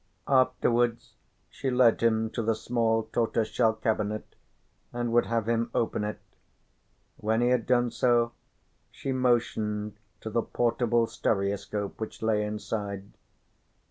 Afterwards she led him to the small tortoiseshell cabinet and would have him open it. When he had done so she motioned to the portable stereoscope which lay inside.